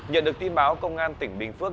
nhận được tin báo công an tỉnh bình phước